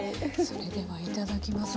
それではいただきます。